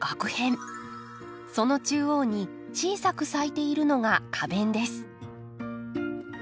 その中央に小さく咲いているのが花弁です。